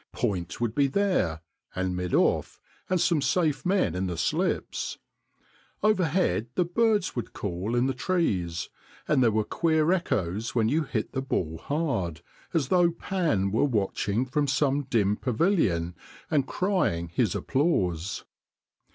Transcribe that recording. Point would be there, and mid off, and some safe men in the slips. Overhead the birds would call in the trees, and there were queer echoes when you hit the ball hard, as though Pan were watching from some dim pavilion and crying his applause.